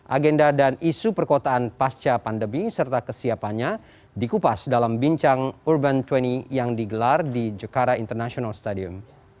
agenda dan isu perkotaan pasca pandemi serta kesiapannya dikupas dalam bincang urban dua puluh yang digelar di jekara international stadium